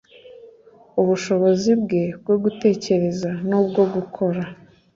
ubushobozi bwe bwo gutekereza n ubwo gukora